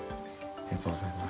ありがとうございます。